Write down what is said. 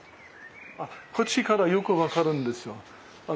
こっちからよく分かるんですよ。